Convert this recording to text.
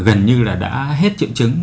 gần như là đã hết triệu chứng